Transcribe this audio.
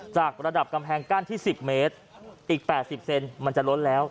จากระดับกำแพงกั้นที่๑๐เมตรอีก๘๐เซนมันจะล้นแล้ว